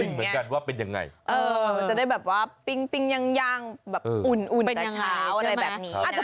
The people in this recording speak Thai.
เหมือนกันว่าเป็นยังไงมันจะได้แบบว่าปิ้งย่างแบบอุ่นแต่เช้าอะไรแบบนี้นะคะ